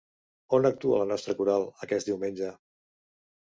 On actua la nostra coral, aquest diumenge?